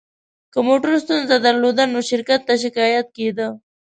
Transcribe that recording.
که موټر ستونزه درلوده، نو شرکت ته شکایت کېده.